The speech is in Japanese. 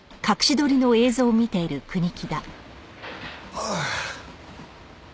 ああ。